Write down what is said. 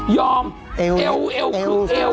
ยอมเอวเอวเอว